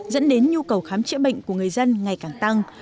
dẫn đến nhu cầu khám chữa bệnh của người dân ngày càng tăng